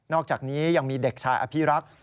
อกจากนี้ยังมีเด็กชายอภิรักษ์